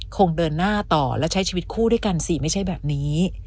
คงเดินหน้าต่อและใช้ชีวิตคู่ด้วยกันสิไม่ใช่แบบนี้